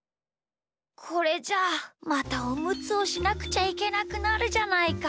これじゃあまたおむつをしなくちゃいけなくなるじゃないか。